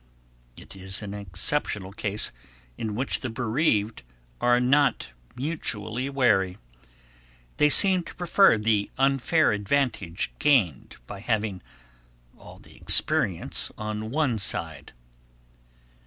It is an exceptional case in which the bereaved are not mutually wary. They seem to prefer the unfair advantage gained by having all the experience on one side.